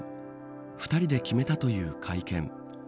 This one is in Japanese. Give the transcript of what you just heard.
２人で決めたという会見。